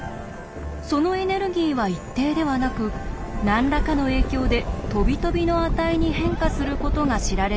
そのエネルギーは一定ではなく何らかの影響でとびとびの値に変化することが知られていました。